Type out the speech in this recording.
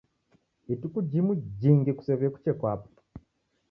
Ituku jimuJingi kusew'uye kuche kwapo.